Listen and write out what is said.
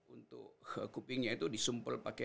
untuk kupingnya itu disumpel pakai